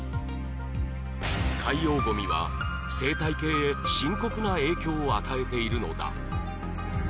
海洋ごみは、生態系へ深刻な影響を与えているのだ。